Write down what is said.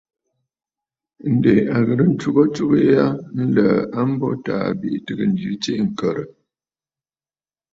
Ǹdè a ghɨ̀rə ntsugə atsugə ya nlə̀ə̀ a mbo Taà bìʼì tɨgə jɨ tsiʼì ŋ̀kə̀rə̀.